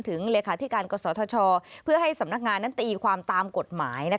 เลขาธิการกศธชเพื่อให้สำนักงานนั้นตีความตามกฎหมาย